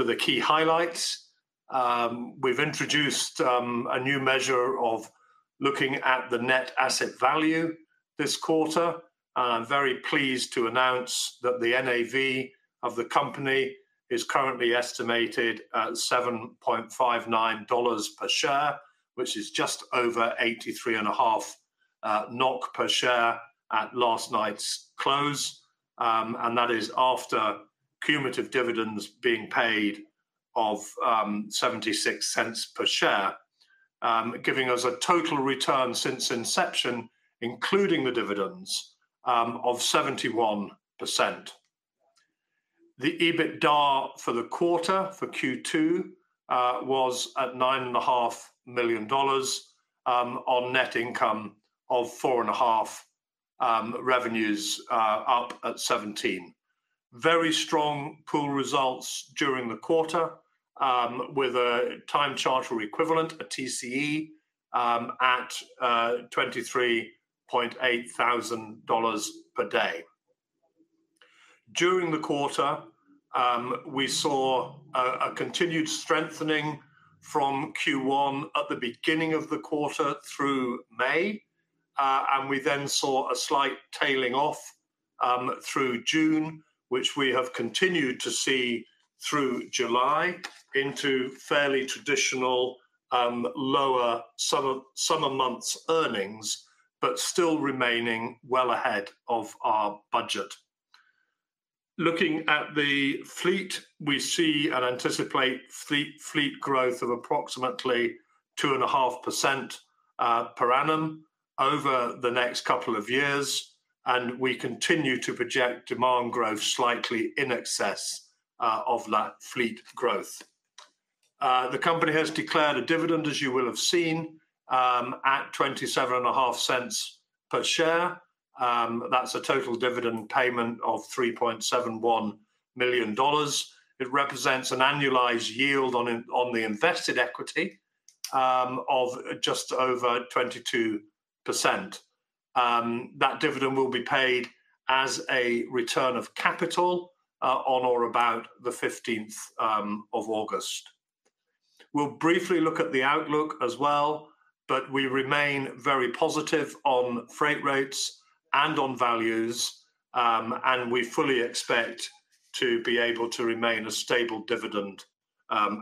To the key highlights, we've introduced a new measure of looking at the net asset value this quarter. I'm very pleased to announce that the NAV of the company is currently estimated at $7.59 per share, which is just over 83.5 NOK per share at last night's close. And that is after cumulative dividends being paid of $0.76 per share, giving us a total return since inception, including the dividends, of 71%. The EBITDA for the quarter, for Q2, was at $9.5 million, on net income of $4.5 million, revenues up at $17 million. Very strong pool results during the quarter, with a time charter equivalent, a TCE, at $23,800 per day. During the quarter, we saw a continued strengthening from Q1 at the beginning of the quarter through May, and we then saw a slight tailing off through June, which we have continued to see through July into fairly traditional lower summer months earnings, but still remaining well ahead of our budget. Looking at the fleet, we see and anticipate fleet growth of approximately 2.5% per annum over the next couple of years, and we continue to project demand growth slightly in excess of that fleet growth. The company has declared a dividend, as you will have seen, at $0.275 per share. That's a total dividend payment of $3.71 million. It represents an annualized yield on the invested equity of just over 22%. That dividend will be paid as a return of capital on or about the fifteenth of August. We'll briefly look at the outlook as well, but we remain very positive on freight rates and on values, and we fully expect to be able to remain a stable dividend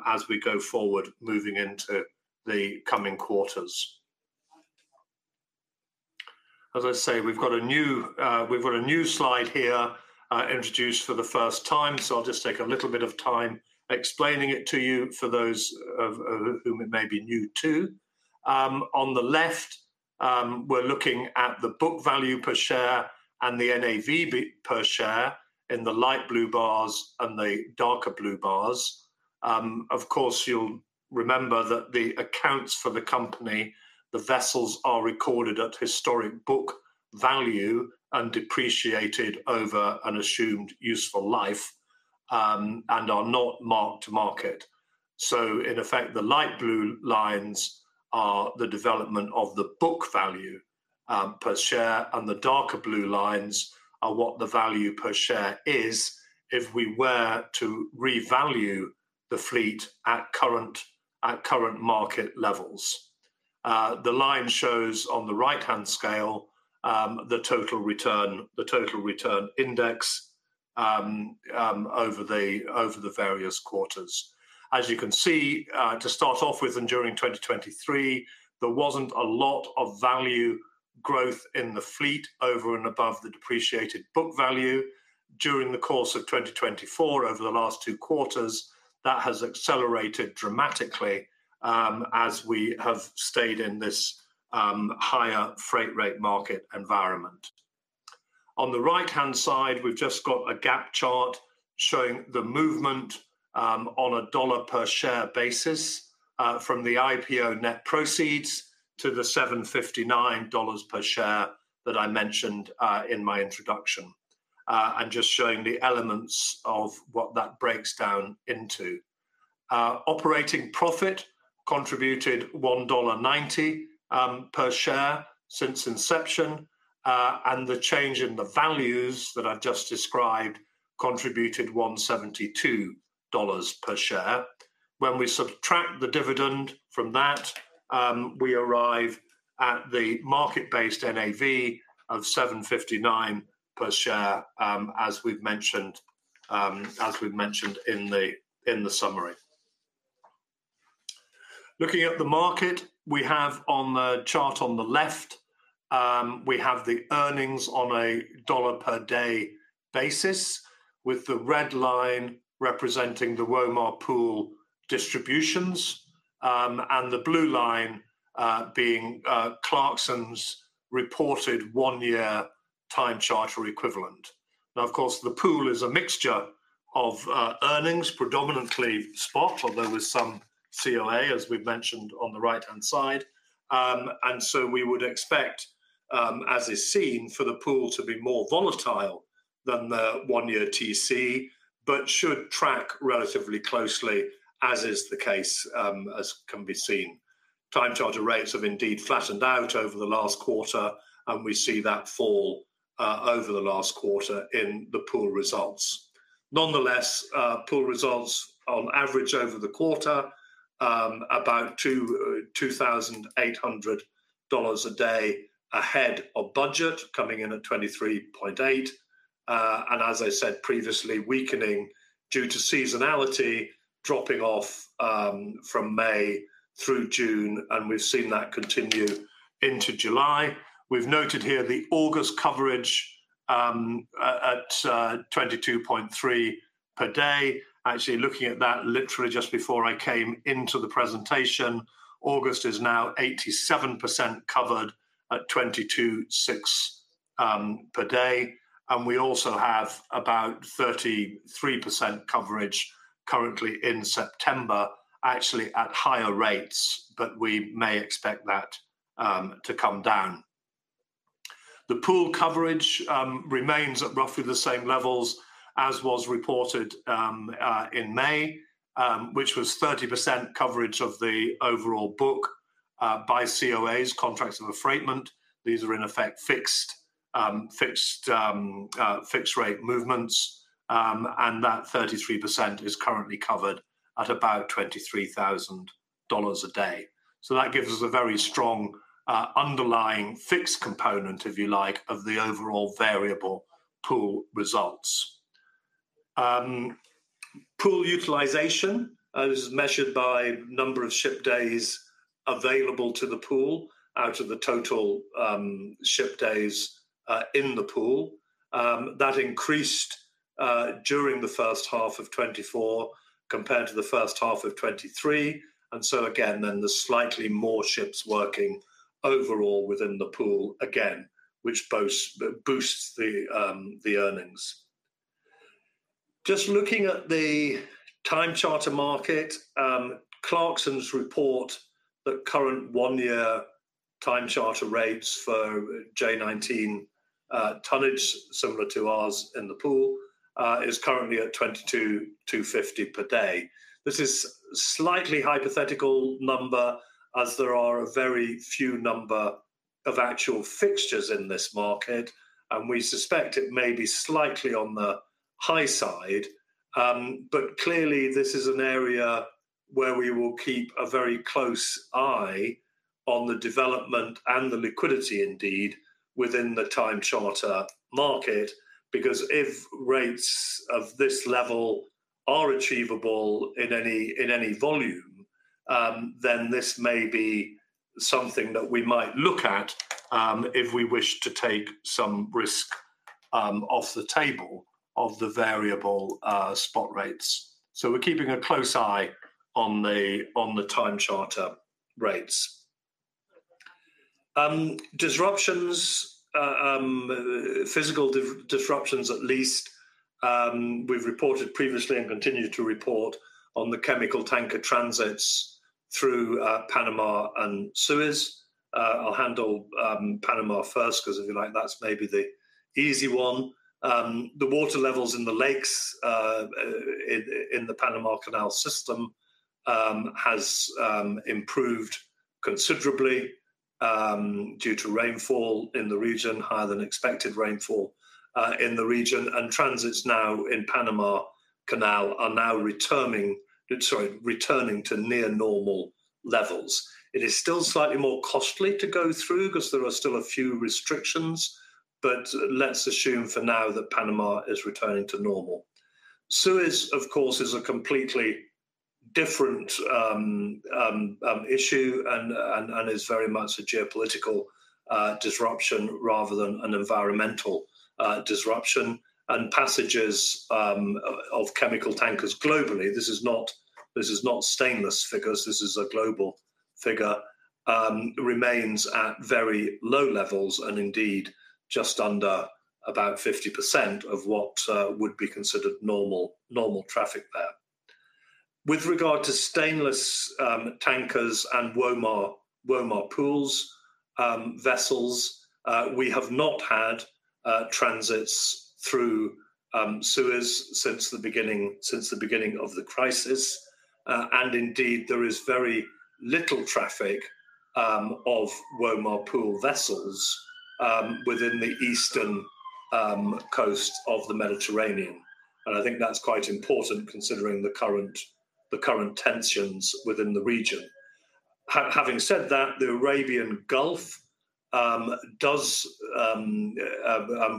as we go forward moving into the coming quarters. As I say, we've got a new slide here, introduced for the first time, so I'll just take a little bit of time explaining it to you for those of whom it may be new to. On the left, we're looking at the book value per share and the NAV per share in the light blue bars and the darker blue bars. Of course, you'll remember that the accounts for the company, the vessels are recorded at historic book value and depreciated over an assumed useful life, and are not marked to market. So in effect, the light blue lines are the development of the book value per share, and the darker blue lines are what the value per share is if we were to revalue the fleet at current market levels. The line shows on the right-hand scale the total return, the total return index, over the various quarters. As you can see, to start off with and during 2023, there wasn't a lot of value growth in the fleet over and above the depreciated book value. During the course of 2024, over the last two quarters, that has accelerated dramatically, as we have stayed in this, higher freight rate market environment. On the right-hand side, we've just got a gap chart showing the movement, on a dollar per share basis, from the IPO net proceeds to the $7.59 per share that I mentioned, in my introduction, and just showing the elements of what that breaks down into. Operating profit contributed $1.90, per share since inception, and the change in the values that I've just described contributed $1.72 per share. When we subtract the dividend from that, we arrive at the market-based NAV of $7.59 per share, as we've mentioned, as we've mentioned in the, in the summary. Looking at the market, we have on the chart on the left, we have the earnings on a $ per day basis, with the red line representing the Womar Pool distributions, and the blue line, being Clarksons' reported 1-year time charter equivalent. Now, of course, the pool is a mixture of earnings, predominantly spot, although there's some COA, as we've mentioned, on the right-hand side. And so we would expect, as is seen, for the pool to be more volatile than the 1-year TC, but should track relatively closely, as is the case, as can be seen. Time charter rates have indeed flattened out over the last quarter, and we see that fall, over the last quarter in the pool results. Nonetheless, pool results on average over the quarter, about $2,800 a day ahead of budget, coming in at $23,800. And as I said previously, weakening due to seasonality, dropping off from May through June, and we've seen that continue into July. We've noted here the August coverage at $22,300 per day. Actually, looking at that literally just before I came into the presentation, August is now 87% covered at $22,600 per day, and we also have about 33% coverage currently in September, actually at higher rates, but we may expect that to come down. The pool coverage remains at roughly the same levels as was reported in May, which was 30% coverage of the overall book by COAs, contracts of affreightment. These are, in effect, fixed rate movements, and that 33% is currently covered at about $23,000 a day. So that gives us a very strong underlying fixed component, if you like, of the overall variable pool results. Pool utilization, as measured by number of ship days available to the pool out of the total ship days in the pool, that increased during the first half of 2024 compared to the first half of 2023, and so again, then there's slightly more ships working overall within the pool again, which boosts the earnings. Just looking at the time charter market, Clarksons report that current one-year time charter rates for J19 tonnage, similar to ours in the pool, is currently at $22,500 per day. This is slightly hypothetical number, as there are a very few numbers of actual fixtures in this market, and we suspect it may be slightly on the high side. But clearly, this is an area where we will keep a very close eye on the development and the liquidity, indeed, within the time charter market, because if rates of this level are achievable in any, in any volume, then this may be something that we might look at, if we wish to take some risk, off the table of the variable spot rates. So we're keeping a close eye on the time charter rates. Disruptions, physical disruptions at least, we've reported previously and continue to report on the chemical tanker transits through Panama and Suez. I'll handle Panama first, because if you like, that's maybe the easy one. The water levels in the lakes in the Panama Canal system has improved considerably due to rainfall in the region, higher than expected rainfall in the region, and transits now in Panama Canal are now returning, sorry, returning to near normal levels. It is still slightly more costly to go through because there are still a few restrictions, but let's assume for now that Panama is returning to normal. Suez, of course, is a completely different issue and is very much a geopolitical disruption rather than an environmental disruption. Passages of chemical tankers globally, this is not, this is not stainless figures, this is a global figure, remains at very low levels, and indeed, just under about 50% of what would be considered normal traffic there. With regard to stainless tankers and Womar Pool vessels, we have not had transits through Suez since the beginning of the crisis. And indeed, there is very little traffic of Womar Pool vessels within the Eastern Mediterranean. And I think that's quite important, considering the current tensions within the region. Having said that, the Arabian Gulf does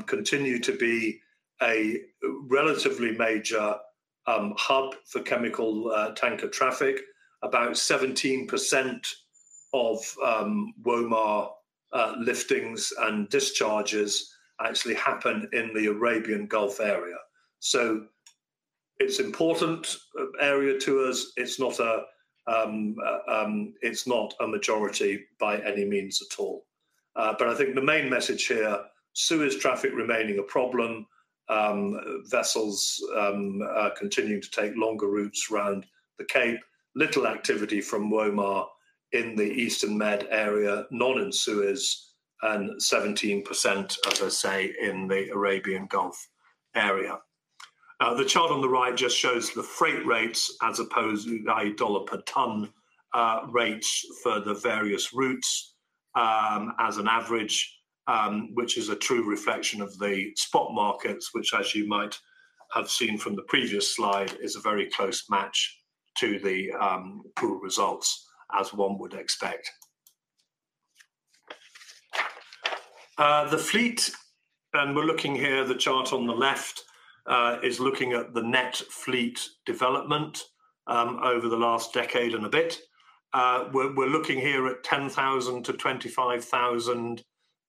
continue to be a relatively major hub for chemical tanker traffic. About 17% of Womar liftings and discharges actually happen in the Arabian Gulf area. So it's important area to us. It's not a majority by any means at all. But I think the main message here, Suez traffic remaining a problem, vessels continuing to take longer routes around the Cape, little activity from Womar in the Eastern Med area, none in Suez, and 17%, as I say, in the Arabian Gulf area. The chart on the right just shows the freight rates as opposed, i.e., $ per ton, rates for the various routes, as an average, which is a true reflection of the spot markets, which, as you might have seen from the previous slide, is a very close match to the pool results, as one would expect. The fleet, and we're looking here, the chart on the left, is looking at the net fleet development over the last decade and a bit. We're looking here at 10,000-25,000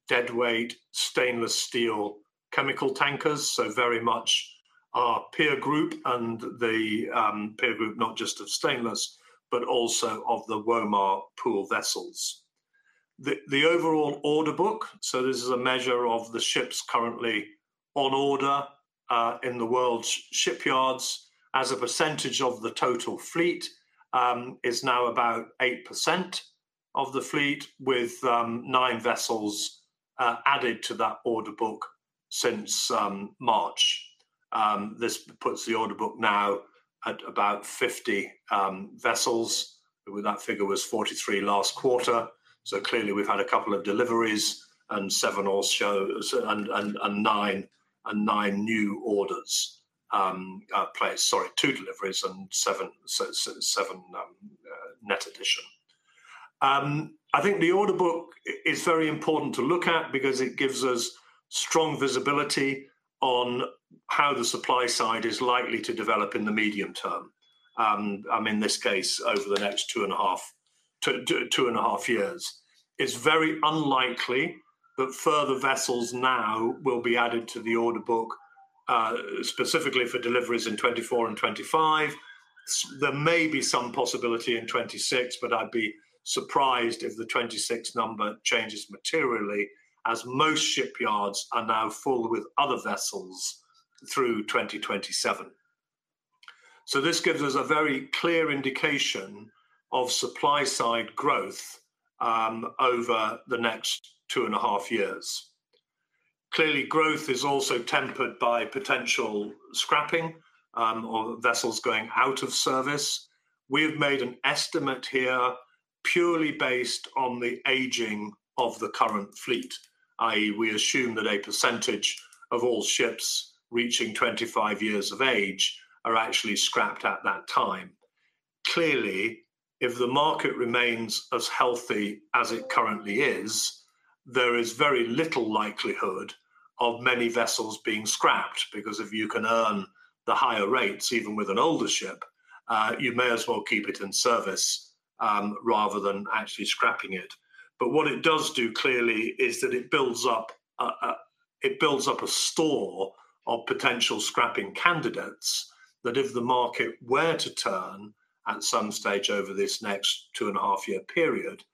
deadweight stainless steel chemical tankers, so very much our peer group and the peer group, not just of stainless, but also of the Womar pool vessels. The overall order book, so this is a measure of the ships currently on order in the world's shipyards as a percentage of the total fleet, is now about 8% of the fleet, with 9 vessels added to that order book since March. This puts the order book now at about 50 vessels. With that figure was 43 last quarter, so clearly, we've had a couple of deliveries and 7 all shows... 9 new orders placed. Sorry, 2 deliveries and 7, so 7 net addition. I think the order book is very important to look at because it gives us strong visibility on how the supply side is likely to develop in the medium term. In this case, over the next 2.5 years. It's very unlikely that further vessels now will be added to the order book, specifically for deliveries in 2024 and 2025. There may be some possibility in 2026, but I'd be surprised if the 2026 number changes materially, as most shipyards are now full with other vessels through 2027. So this gives us a very clear indication of supply side growth, over the next 2.5 years. Clearly, growth is also tempered by potential scrapping, or vessels going out of service. We have made an estimate here purely based on the aging of the current fleet, i.e., we assume that a percentage of all ships reaching 25 years of age are actually scrapped at that time. Clearly, if the market remains as healthy as it currently is, there is very little likelihood of many vessels being scrapped, because if you can earn the higher rates, even with an older ship, you may as well keep it in service, rather than actually scrapping it. But what it does do, clearly, is that it builds up a store of potential scrapping candidates, that if the market were to turn at some stage over this next 2.5-year period,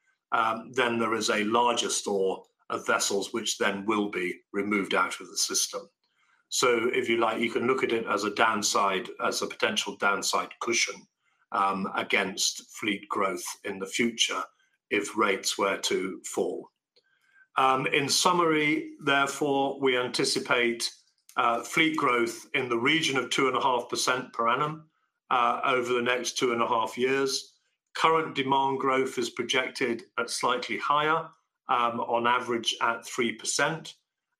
then there is a larger store of vessels which then will be removed out of the system. So if you like, you can look at it as a downside, as a potential downside cushion, against fleet growth in the future, if rates were to fall. In summary, therefore, we anticipate, fleet growth in the region of 2.5% per annum, over the next 2.5 years. Current demand growth is projected at slightly higher, on average, at 3%.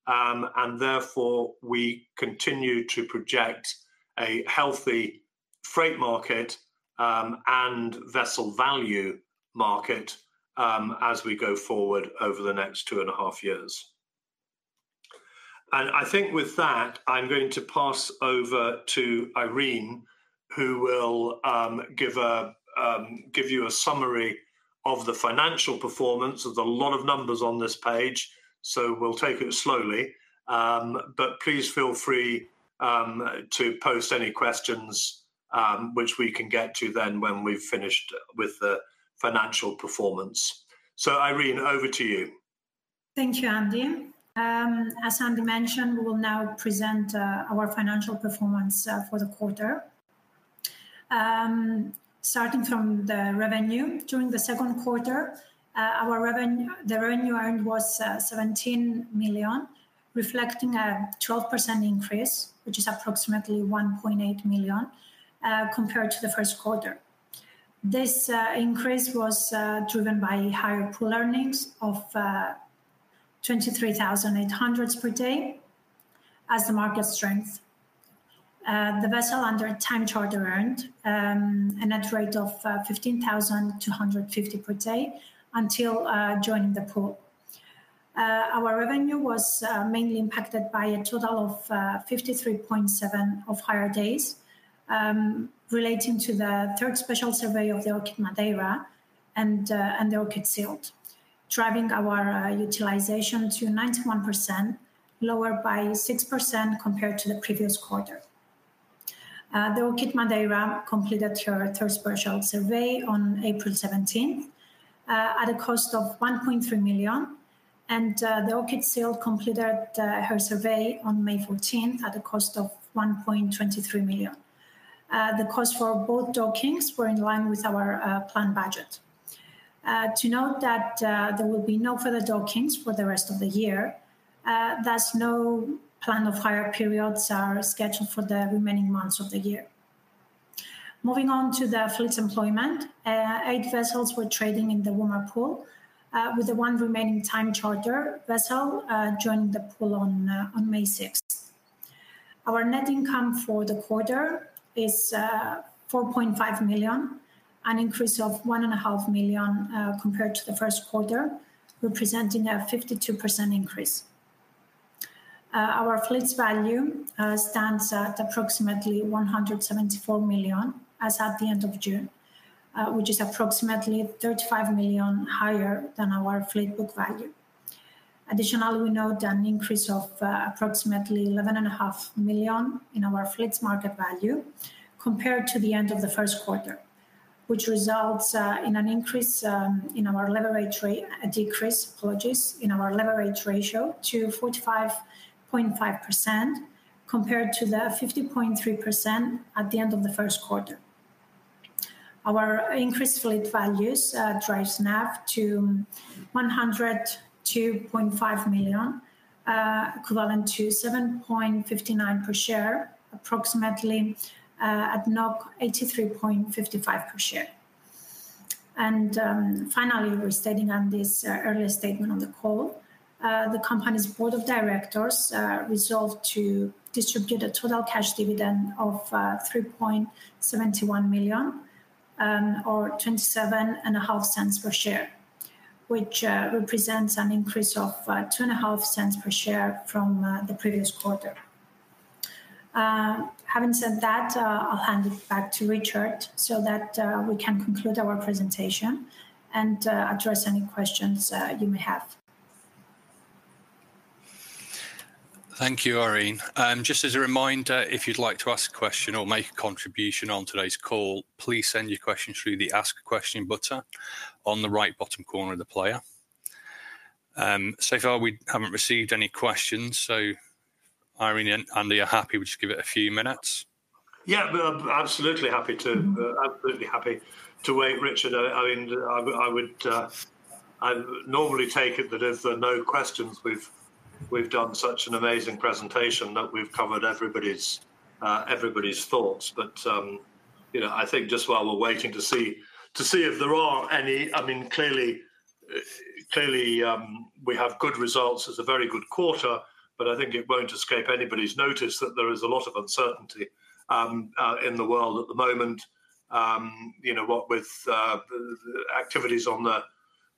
And therefore, we continue to project a healthy freight market and vessel value market as we go forward over the next two and a half years. And I think with that, I'm going to pass over to Irene, who will give you a summary of the financial performance. There's a lot of numbers on this page, so we'll take it slowly. But please feel free to post any questions, which we can get to then when we've finished with the financial performance. So, Irene, over to you. Thank you, Andy. As Andy mentioned, we will now present our financial performance for the quarter. Starting from the revenue, during the second quarter, our revenue, the revenue earned was $17 million, reflecting a 12% increase, which is approximately $1.8 million compared to the first quarter. This increase was driven by higher pool earnings of $23,800 per day as the market strength. The vessel under time charter earned a net rate of $15,250 per day until joining the pool. Our revenue was mainly impacted by a total of 53.7 off-hire days, relating to the third special survey of the Orchid Madeira and the Orchid Sylt, driving our utilization to 91%, lower by 6% compared to the previous quarter. The Orchid Madeira completed her third special survey on April 17, at a cost of $1.3 million, and the Orchid Sylt completed her survey on May 14 at a cost of $1.23 million. The cost for both dockings were in line with our planned budget. To note that, there will be no further dockings for the rest of the year, thus no planned off-hire periods are scheduled for the remaining months of the year. Moving on to the fleet's employment, 8 vessels were trading in the Womar Pool, with the one remaining time charter vessel joining the pool on May 6th. Our net income for the quarter is $4.5 million, an increase of $1.5 million compared to the first quarter, representing a 52% increase. Our fleet's value stands at approximately $174 million as at the end of June, which is approximately $35 million higher than our fleet book value. Additionally, we note an increase of approximately $11.5 million in our fleet's market value compared to the end of the first quarter, which results in a decrease, apologies, in our leverage ratio to 45.5%, compared to the 50.3% at the end of the first quarter. Our increased fleet values drives NAV to $102.5 million, equivalent to $7.59 per share, approximately, at 83.55 per share. Finally, we're stating on this earlier statement on the call, the company's board of directors resolved to distribute a total cash dividend of $3.71 million, or $0.275 per share, which represents an increase of $0.025 per share from the previous quarter. Having said that, I'll hand it back to Richard, so that we can conclude our presentation and address any questions you may have. Thank you, Irene. Just as a reminder, if you'd like to ask a question or make a contribution on today's call, please send your question through the Ask a Question button on the right bottom corner of the player. So far, we haven't received any questions, so Irene and Andy, you're happy, we just give it a few minutes? Yeah, we are absolutely happy to wait, Richard. I mean, I would normally take it that if there are no questions, we've done such an amazing presentation that we've covered everybody's thoughts. But you know, I think just while we're waiting to see if there are any... I mean, clearly we have good results. It's a very good quarter, but I think it won't escape anybody's notice that there is a lot of uncertainty in the world at the moment. You know, what with the activities on the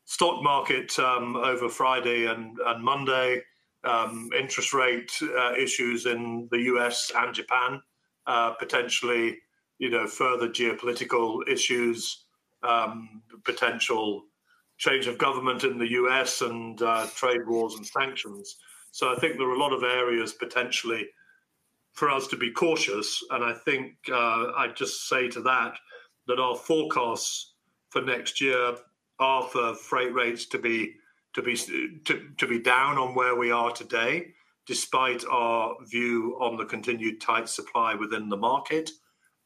stock market over Friday and Monday, interest rate issues in the U.S. and Japan, potentially you know, further geopolitical issues, potential change of government in the U.S. and trade wars and sanctions. So I think there are a lot of areas, potentially, for us to be cautious, and I think I'd just say to that, that our forecasts for next year are for freight rates to be down on where we are today, despite our view on the continued tight supply within the market.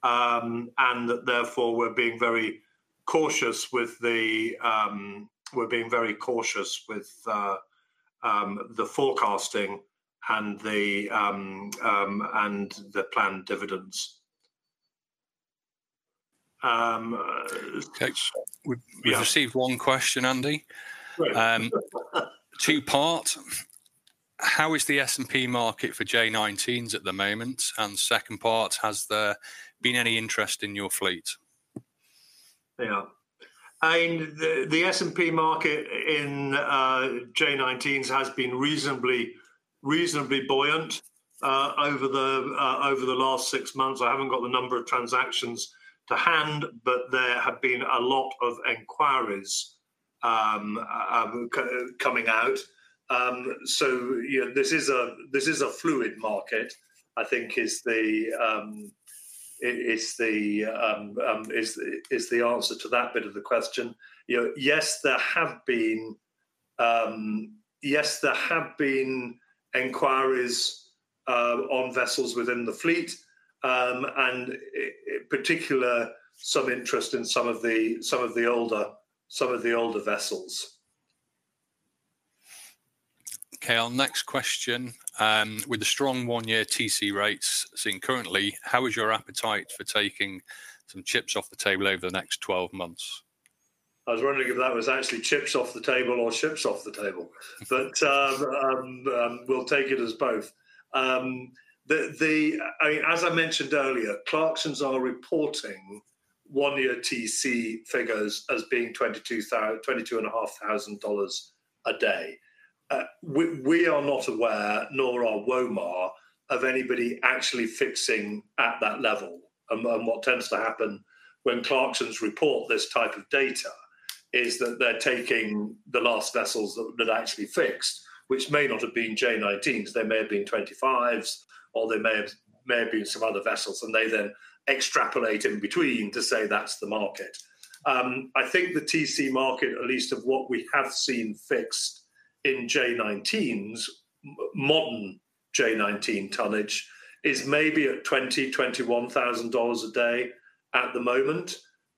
And therefore, we're being very cautious with the forecasting and the planned dividends. Yeah. We've received one question, Andy. Great. Two-part: How is the S&P market for J19s at the moment? And second part, has there been any interest in your fleet? Yeah. I mean, the S&P market in J19s has been reasonably buoyant over the last six months. I haven't got the number of transactions to hand, but there have been a lot of inquiries coming out. So, you know, this is a fluid market, I think is the answer to that bit of the question. You know, yes, there have been inquiries on vessels within the fleet, and in particular, some interest in some of the older vessels. Okay, our next question: With the strong 1-year TC rates seen currently, how is your appetite for taking some chips off the table over the next 12 months? I was wondering if that was actually chips off the table or ships off the table, but we'll take it as both. As I mentioned earlier, Clarksons are reporting one-year TC figures as being $22,500 a day. We are not aware, nor are Womar, of anybody actually fixing at that level. And what tends to happen when Clarksons report this type of data is that they're taking the last vessels that actually fixed, which may not have been J19s. They may have been 25s, or they may have been some other vessels, and they then extrapolate in between to say that's the market. I think the TC market, at least of what we have seen fixed-... in J19s, modern J19 tonnage, is maybe at $20,000-$21,000 a day at the moment.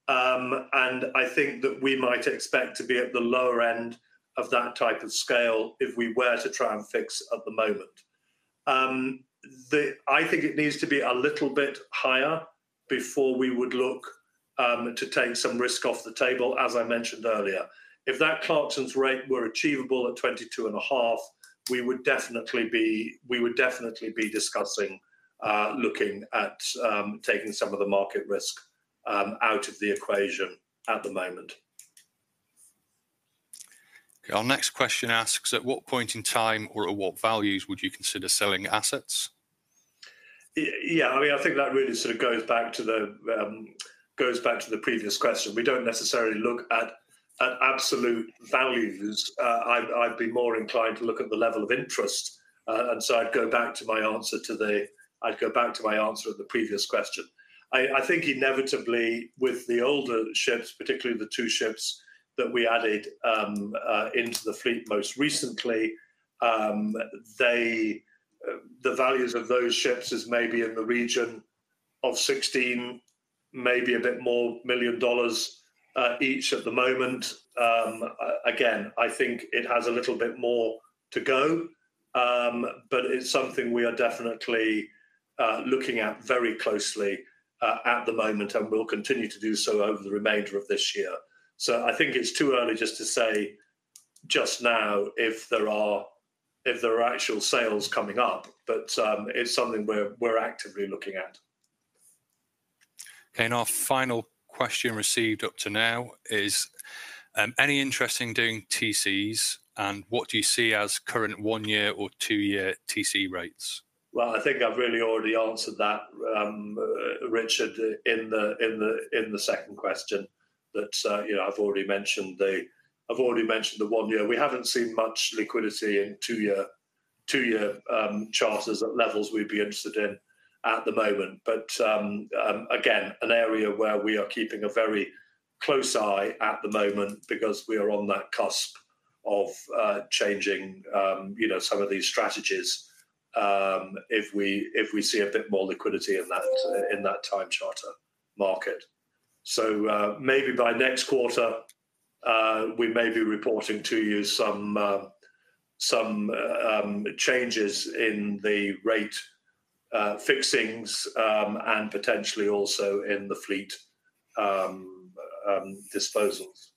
And I think that we might expect to be at the lower end of that type of scale if we were to try and fix at the moment. I think it needs to be a little bit higher before we would look to take some risk off the table, as I mentioned earlier. If that Clarksons rate were achievable at $22.5, we would definitely be, we would definitely be discussing looking at taking some of the market risk out of the equation at the moment. Okay, our next question asks: At what point in time, or at what values would you consider selling assets? Yeah, I mean, I think that really sort of goes back to the previous question. We don't necessarily look at absolute values. I'd be more inclined to look at the level of interest. And so, I'd go back to my answer to the previous question. I'd go back to my answer to the previous question. I think inevitably with the older ships, particularly the two ships that we added into the fleet most recently, they the values of those ships is maybe in the region of $16 million, maybe a bit more, each at the moment. Again, I think it has a little bit more to go, but it's something we are definitely looking at very closely at the moment, and we'll continue to do so over the remainder of this year. So, I think it's too early just to say just now if there are, if there are actual sales coming up, but it's something we're actively looking at. Okay, and our final question received up to now is: Any interest in doing TCs, and what do you see as current one-year or two-year TC rates? Well, I think I've really already answered that, Richard, in the second question, that you know, I've already mentioned the one year. We haven't seen much liquidity in two-year charters at levels we'd be interested in at the moment. But again, an area where we are keeping a very close eye at the moment because we are on that cusp of changing, you know, some of these strategies, if we see a bit more liquidity in that time charter market. So, maybe by next quarter, we may be reporting to you some changes in the rate fixings, and potentially also in the fleet disposals.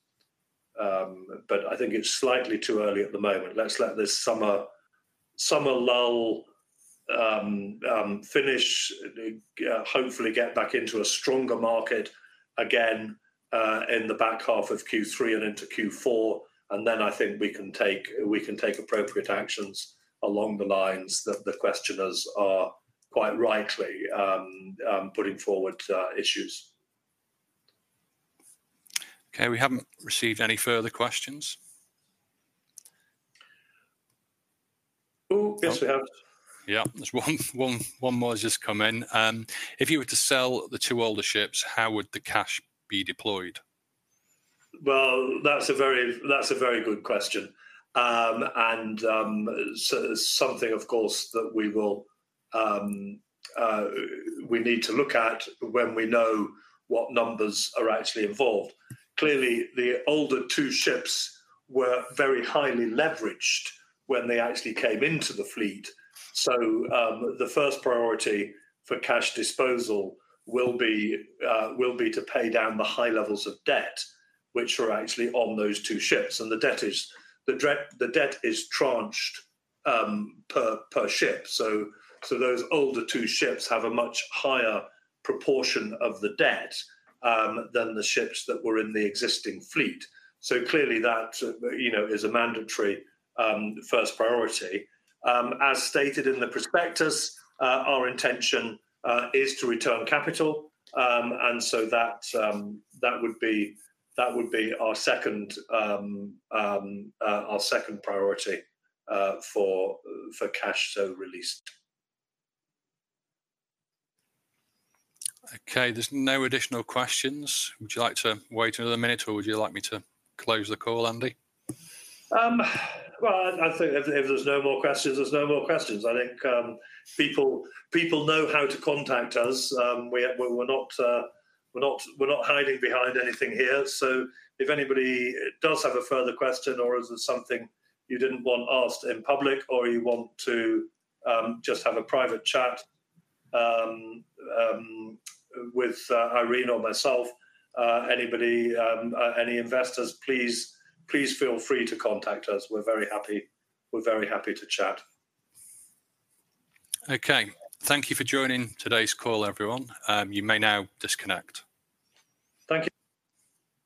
But I think it's slightly too early at the moment. Let's let this summer lull finish, hopefully get back into a stronger market again, in the back half of Q3 and into Q4, and then I think we can take appropriate actions along the lines that the questioners are, quite rightly, putting forward, issues. Okay, we haven't received any further questions. Oh, yes, we have. Yeah, there's one more just come in. If you were to sell the two older ships, how would the cash be deployed? Well, that's a very, that's a very good question. So, something, of course, that we will, we need to look at when we know what numbers are actually involved. Clearly, the older two ships were very highly leveraged when they actually came into the fleet. So, the first priority for cash disposal will be to pay down the high levels of debt, which are actually on those two ships, and the debt is tranched, per ship. So those older two ships have a much higher proportion of the debt than the ships that were in the existing fleet. So clearly, that, you know, is a mandatory first priority. As stated in the prospectus, our intention is to return capital, and so that would be our second priority for cash so released. Okay, there's no additional questions. Would you like to wait another minute, or would you like me to close the call, Andy? Well, I think if there's no more questions, there's no more questions. I think, people know how to contact us. We're not hiding behind anything here. So, if anybody does have a further question or is there something you didn't want asked in public, or you want to just have a private chat with Irene or myself, anybody, any investors, please, please feel free to contact us. We're very happy... We're very happy to chat. Okay. Thank you for joining today's call, everyone. You may now disconnect. Thank you.